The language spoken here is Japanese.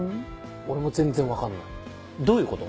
俺も全然分かんないどういうこと？